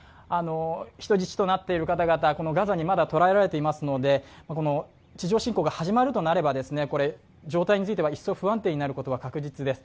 人質となっている方々、ガザにまだ捕らえられていますので、地上侵攻が始まるとなれば、状態となると一層不安定になることは確実です。